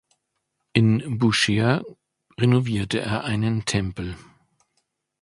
In Buschehr renovierte er einen Tempel.